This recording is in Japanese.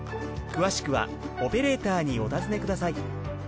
詳しくはオペレーターにお尋ねください。